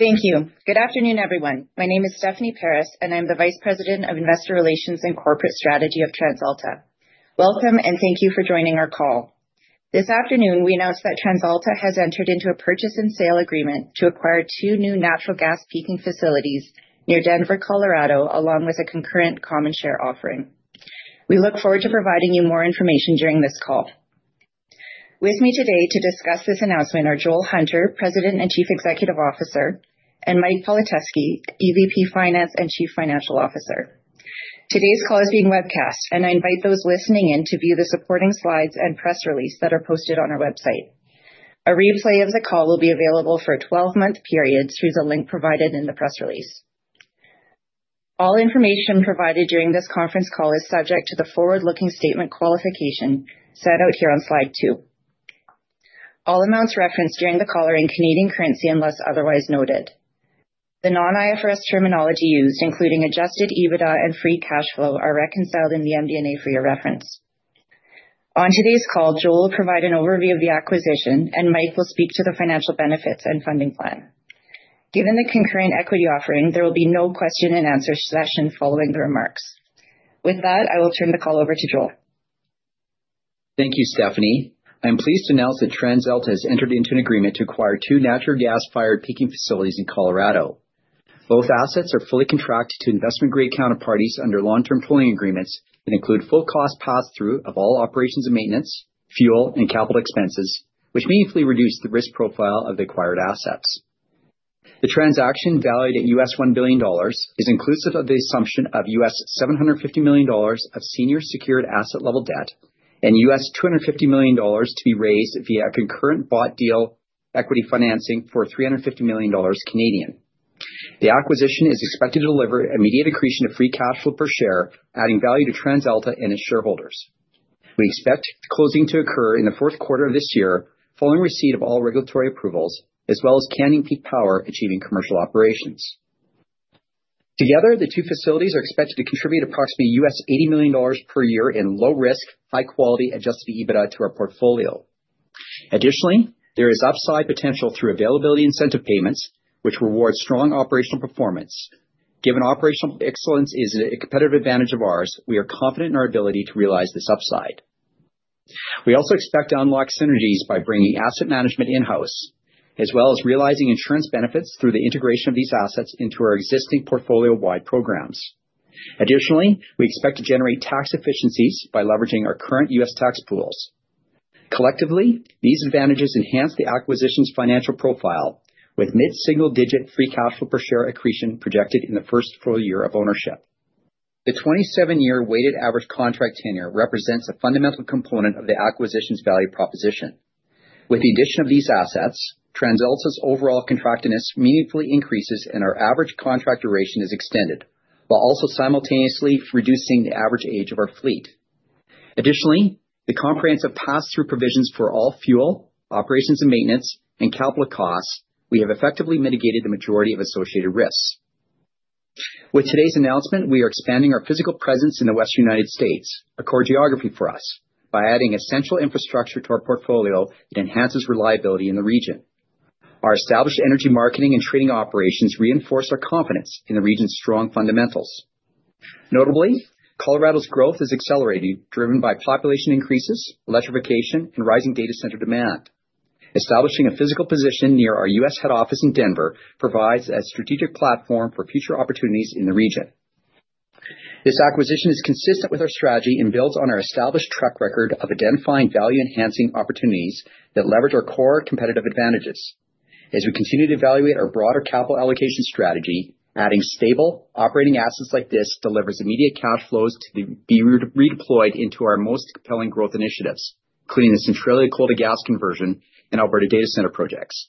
Thank you. Good afternoon, everyone. My name is Stephanie Paris, and I'm the Vice President of Investor Relations and Corporate Strategy of TransAlta. Welcome, and thank you for joining our call. This afternoon, we announced that TransAlta has entered into a purchase and sale agreement to acquire two new natural gas peaking facilities near Denver, Colorado, along with a concurrent common share offering. We look forward to providing you more information during this call. With me today to discuss this announcement are Joel Hunter, President and Chief Executive Officer, and Mike Politeski, EVP Finance and Chief Financial Officer. Today's call is being webcast, and I invite those listening in to view the supporting slides and press release that are posted on our website. A replay of the call will be available for a 12-month period through the link provided in the press release. All information provided during this conference call is subject to the forward-looking statement qualification set out here on slide two. All amounts referenced during the call are in Canadian currency, unless otherwise noted. The non-IFRS terminology used, including adjusted EBITDA and free cash flow, are reconciled in the MD&A for your reference. On today's call, Joel will provide an overview of the acquisition, and Mike will speak to the financial benefits and funding plan. Given the concurrent equity offering, there will be no question and answer session following the remarks. With that, I will turn the call over to Joel. Thank you, Stephanie. I'm pleased to announce that TransAlta has entered into an agreement to acquire two natural gas-fired peaking facilities in Colorado. Both assets are fully contracted to investment-grade counterparties under long-term tolling agreements that include full cost passthrough of all operations and maintenance, fuel, and capital expenses, which meaningfully reduce the risk profile of the acquired assets. The transaction, valued at $1 billion, is inclusive of the assumption of $750 million of senior secured asset-level debt and $250 million to be raised via a concurrent bought-deal equity financing for 350 million Canadian dollars. The acquisition is expected to deliver immediate accretion of free cash flow per share, adding value to TransAlta and its shareholders. We expect the closing to occur in the fourth quarter of this year, following receipt of all regulatory approvals, as well as Canyon Peak Power achieving commercial operations. Together, the two facilities are expected to contribute approximately $80 million per year in low risk, high quality, adjusted EBITDA to our portfolio. Additionally, there is upside potential through availability incentive payments, which reward strong operational performance. Given operational excellence is a competitive advantage of ours, we are confident in our ability to realize this upside. We also expect to unlock synergies by bringing asset management in-house, as well as realizing insurance benefits through the integration of these assets into our existing portfolio-wide programs. Additionally, we expect to generate tax efficiencies by leveraging our current U.S. tax pools. Collectively, these advantages enhance the acquisition's financial profile, with mid-single digit free cash flow per share accretion projected in the first full year of ownership. The 27-year weighted average contract tenure represents a fundamental component of the acquisition's value proposition. With the addition of these assets, TransAlta's overall contractedness meaningfully increases, and our average contract duration is extended, while also simultaneously reducing the average age of our fleet. Additionally, the comprehensive pass-through provisions for all fuel, operations and maintenance, and capital costs, we have effectively mitigated the majority of associated risks. With today's announcement, we are expanding our physical presence in the Western U.S., a core geography for us. By adding essential infrastructure to our portfolio, it enhances reliability in the region. Our established energy marketing and trading operations reinforce our confidence in the region's strong fundamentals. Notably, Colorado's growth is accelerating, driven by population increases, electrification, and rising data center demand. Establishing a physical position near our U.S. head office in Denver provides a strategic platform for future opportunities in the region. This acquisition is consistent with our strategy and builds on our established track record of identifying value-enhancing opportunities that leverage our core competitive advantages. As we continue to evaluate our broader capital allocation strategy, adding stable operating assets like this delivers immediate cash flows to be redeployed into our most compelling growth initiatives, including the Centralia coal to gas conversion and Alberta data center projects.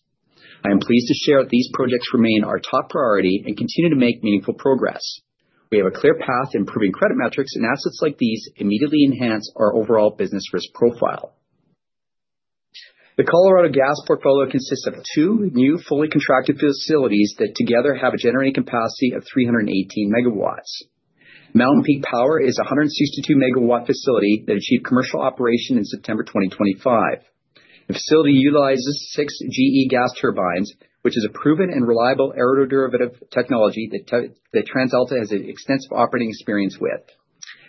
I am pleased to share that these projects remain our top priority and continue to make meaningful progress. We have a clear path to improving credit metrics, and assets like these immediately enhance our overall business risk profile. The Colorado Gas portfolio consists of two new, fully contracted facilities that together have a generating capacity of 318 MW. Mountain Peak Power is a 162 MW facility that achieved commercial operation in September 2025. The facility utilizes six GE gas turbines, which is a proven and reliable aeroderivative technology that TransAlta has extensive operating experience with.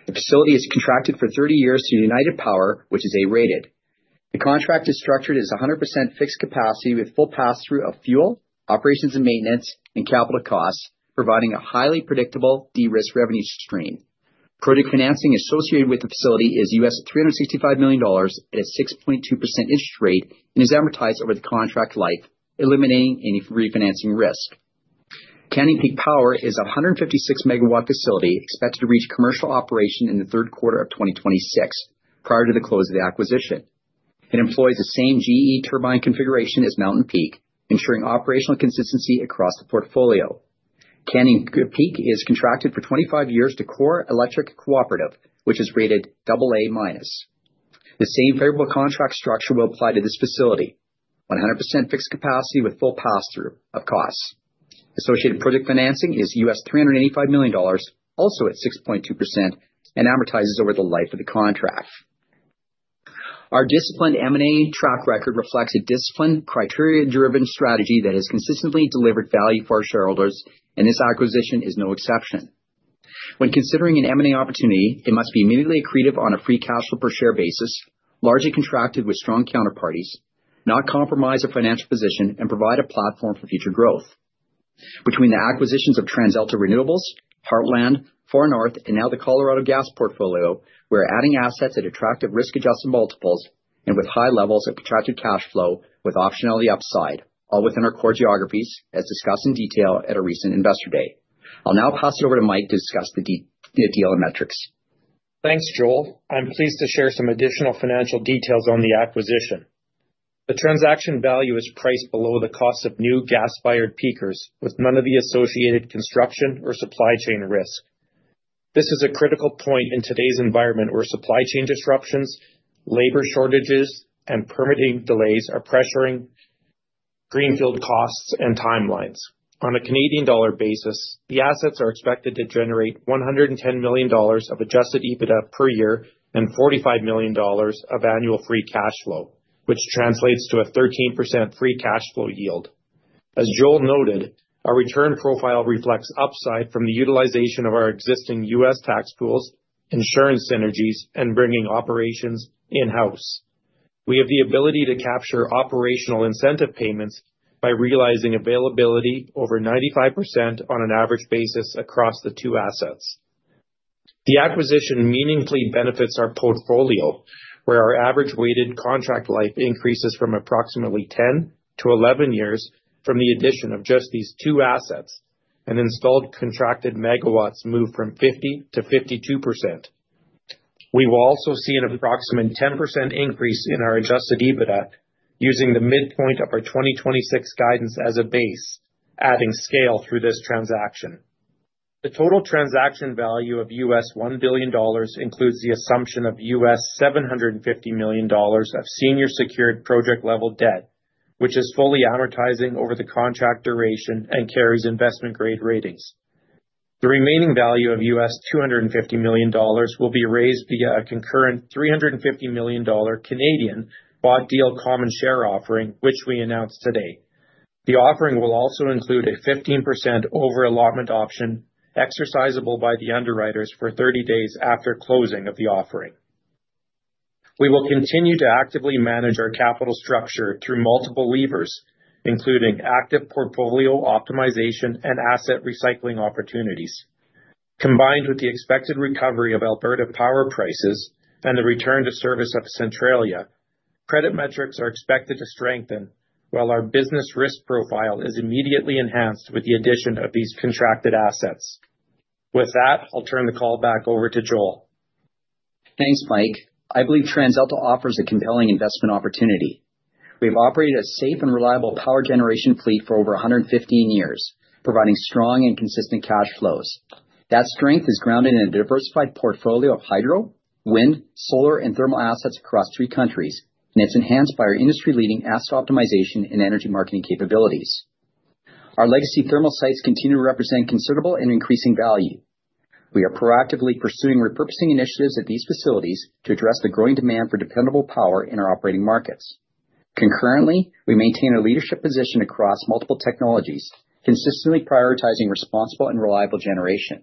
The facility is contracted for 30 years through United Power, which is A-rated. The contract is structured as 100% fixed capacity with full pass-through of fuel, operations and maintenance, and capital costs, providing a highly predictable de-risk revenue stream. Project financing associated with the facility is $365 million at a 6.2% interest rate and is amortized over the contract life, eliminating any refinancing risk. Canyon Peak Power is a 156-MW facility expected to reach commercial operation in the third quarter of 2026, prior to the close of the acquisition. It employs the same GE turbine configuration as Mountain Peak, ensuring operational consistency across the portfolio. Canyon Peak is contracted for 25 years to CORE Electric Cooperative, which is rated AA-. The same favorable contract structure will apply to this facility, 100% fixed capacity with full pass-through of costs. Associated project financing is $385 million, also at 6.2%, and amortizes over the life of the contract. Our disciplined M&A track record reflects a disciplined, criteria-driven strategy that has consistently delivered value for our shareholders, and this acquisition is no exception. When considering an M&A opportunity, it must be immediately accretive on a free cash flow per share basis, largely contracted with strong counterparties, not compromise our financial position, and provide a platform for future growth. Between the acquisitions of TransAlta Renewables, Heartland, Far North, and now the Colorado Gas portfolio, we're adding assets at attractive risk-adjusted multiples and with high levels of contracted cash flow with optionality upside, all within our core geographies, as discussed in detail at our recent Investor Day. I'll now pass it over to Mike to discuss the deal and metrics. Thanks, Joel. I'm pleased to share some additional financial details on the acquisition. The transaction value is priced below the cost of new gas-fired peakers, with none of the associated construction or supply chain risk. This is a critical point in today's environment, where supply chain disruptions, labor shortages, and permitting delays are pressuring greenfield costs and timelines. On a Canadian dollar basis, the assets are expected to generate 110 million dollars of adjusted EBITDA per year and 45 million dollars of annual free cash flow, which translates to a 13% free cash flow yield. As Joel noted, our return profile reflects upside from the utilization of our existing U.S. tax pools, insurance synergies, and bringing operations in-house. We have the ability to capture operational incentive payments by realizing availability over 95% on an average basis across the two assets. The acquisition meaningfully benefits our portfolio, where our average weighted contract life increases from approximately 10 to 11 years from the addition of just these two assets, and installed contracted megawatts move from 50% to 52%. We will also see an approximate 10% increase in our adjusted EBITDA using the midpoint of our 2026 guidance as a base, adding scale through this transaction. The total transaction value of $1 billion includes the assumption of $750 million of senior secured project-level debt, which is fully amortizing over the contract duration and carries investment-grade ratings. The remaining value of $250 million will be raised via a concurrent 350 million Canadian dollars bought deal common share offering, which we announced today. The offering will also include a 15% over-allotment option exercisable by the underwriters for 30 days after closing of the offering. We will continue to actively manage our capital structure through multiple levers, including active portfolio optimization and asset recycling opportunities. Combined with the expected recovery of Alberta power prices and the return to service of Centralia, credit metrics are expected to strengthen, while our business risk profile is immediately enhanced with the addition of these contracted assets. With that, I'll turn the call back over to Joel. Thanks, Mike. I believe TransAlta offers a compelling investment opportunity. We've operated a safe and reliable power generation fleet for over 115 years, providing strong and consistent cash flows. That strength is grounded in a diversified portfolio of hydro, wind, solar, and thermal assets across three countries, and it's enhanced by our industry-leading asset optimization and energy marketing capabilities. Our legacy thermal sites continue to represent considerable and increasing value. We are proactively pursuing repurposing initiatives at these facilities to address the growing demand for dependable power in our operating markets. Concurrently, we maintain a leadership position across multiple technologies, consistently prioritizing responsible and reliable generation.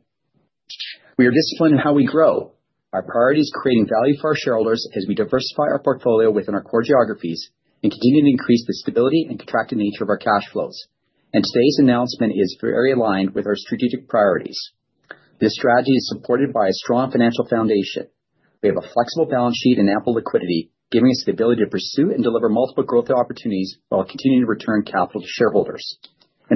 We are disciplined in how we grow. Our priority is creating value for our shareholders as we diversify our portfolio within our core geographies and continue to increase the stability and contracted nature of our cash flows. Today's announcement is very aligned with our strategic priorities. This strategy is supported by a strong financial foundation. We have a flexible balance sheet and ample liquidity, giving us the ability to pursue and deliver multiple growth opportunities while continuing to return capital to shareholders.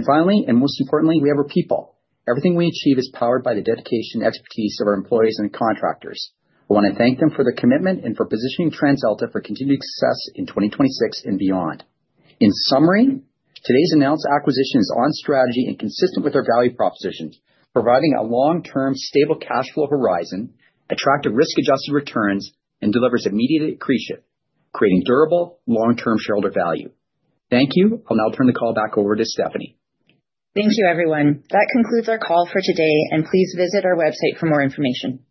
Finally, and most importantly, we have our people. Everything we achieve is powered by the dedication and expertise of our employees and contractors. I want to thank them for their commitment and for positioning TransAlta for continued success in 2026 and beyond. In summary, today's announced acquisition is on strategy and consistent with our value propositions, providing a long-term stable cash flow horizon, attractive risk-adjusted returns, and delivers immediate accretion, creating durable long-term shareholder value. Thank you. I'll now turn the call back over to Stephanie. Thank you, everyone. That concludes our call for today. Please visit our website for more information.